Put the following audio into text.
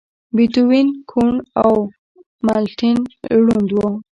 بيتووين کوڼ و او ملټن ړوند و.